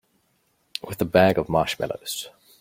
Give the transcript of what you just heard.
With a bag of marshmallows.